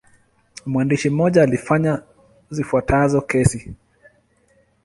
Mwandishi mmoja alifanya zifuatazo kesi.